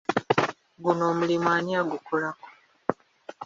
Guno omulimu ani agukolako?